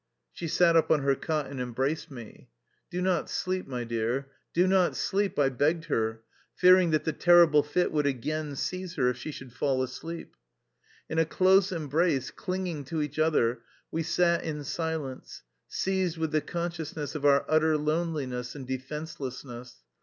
'' She sat up on her cot, and embraced me. "Do not sleep, my dear, do not sleep," I begged her, fearing that the terrible fit would again seize her if she should fall asleep. In a close embrace, clinging to each other, we sat in silence, seized with the consciousness of our utter loneliness and defenselessness.